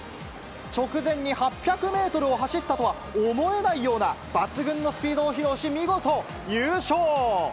直前に８００メートルを走ったとは思えないような、抜群のスピードを披露し、見事優勝。